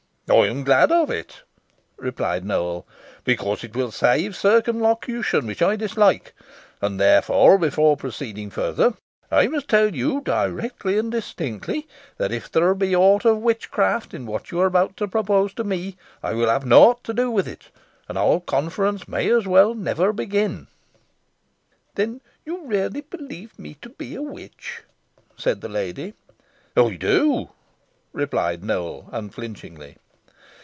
"I am glad of it," replied Nowell, "because it will save circumlocution, which I dislike; and therefore, before proceeding further, I must tell you, directly and distinctly, that if there be aught of witchcraft in what you are about to propose to me, I will have nought to do with it, and our conference may as well never begin." "Then you really believe me to be a witch?" said the lady. "I do," replied Nowell, unflinchingly.